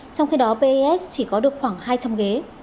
trong khi đó pes chỉ có được khoảng hai trăm linh ghế